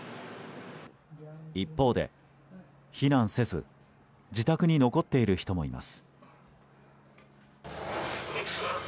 一方で、避難せず自宅に残っている人もいます。